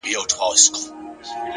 مهرباني زړونه خپلوي.